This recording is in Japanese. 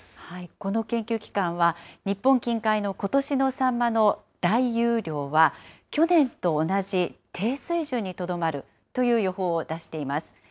この研究機関は、日本近海のことしのサンマの来遊量は、去年と同じ低水準にとどまるという予報を出しています。